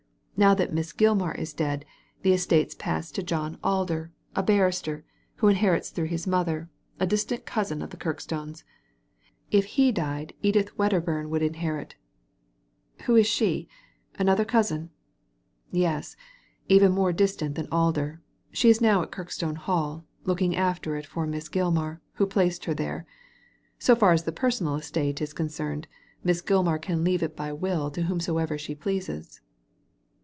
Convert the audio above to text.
Now that Miss Gilmar is dead the estates pass to John Alder, Digitized by Google 84 THE LADY FROM NOWHERE a barrister, who inherits through his mother, a distant cousin of the Kirkstones. If he died Edith Wedder* bum would inherit'' " Who is she ? Another cousin ?"^ Yes. Even more distant than Alder. She is now at Kirkstone Hall, looking after it for Miss Gilmar, who placed her there. So far as the personal estate is concerned Miss Gilmar can leave it by will to whomsoever she pleases.'